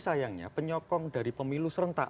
sayangnya penyokong dari pemilu serentak